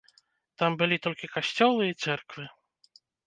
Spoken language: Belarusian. Там былі толькі касцёлы і цэрквы.